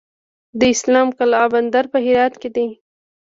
د اسلام قلعه بندر په هرات کې دی